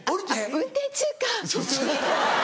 運転中か。